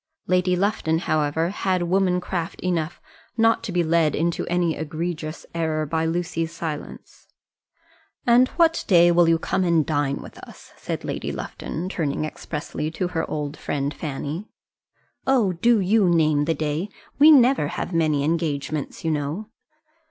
Lady Lufton, however, had woman craft enough not to be led into any egregious error by Lucy's silence. "And what day will you come and dine with us?" said Lady Lufton, turning expressly to her old friend Fanny. "Oh, do you name the day. We never have many engagements, you know."